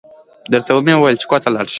درته و مې ويل چې کور ته ولاړه شه.